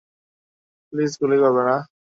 Please, গুলি করবে না!